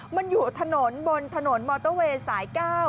มันอยู่ถนนบนถนนมอเตอร์เวย์สาย๙